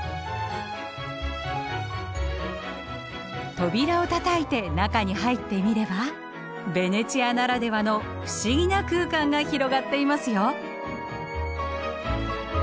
扉をたたいて中に入ってみればベネチアならではの不思議な空間が広がっていますよ。